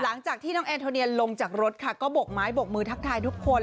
หลังจากที่น้องแอนโทเนียนลงจากรถค่ะก็บกไม้บกมือทักทายทุกคน